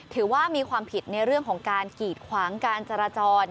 ถือว่ามีความผิดในเรื่องของการกีดขวางการจราจร